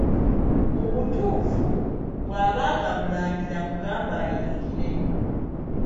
Mu butuufu, bwaba nga mulangira mugambe ayingire.